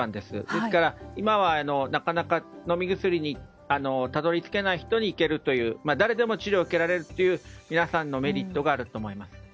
ですから今までなかなか飲み薬にたどり着けない人にいけるという誰でも治療を受けられるというメリットがあると思います。